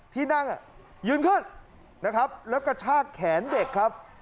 ที่นั่งยืนขึ้นนะครับแล้วกระชากแขนเด็กครับ